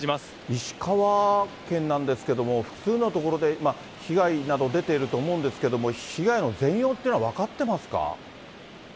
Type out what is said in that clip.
石川県なんですけれども、複数の所で被害など出ていると思うんですけれども、被害の全容っていうのは分かってますか？